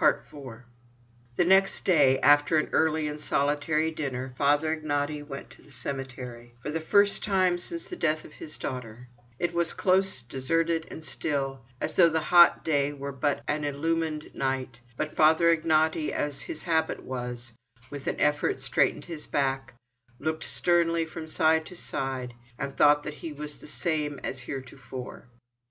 IV The next day, after an early and solitary dinner, Father Ignaty went to the cemetery—for the first time since the death of his daughter. It was close, deserted, and still, as though the hot day were but an illumined night; but Father Ignaty as his habit was, with an effort straightened his back, looked sternly from side to side, and thought that he was the same as heretofore.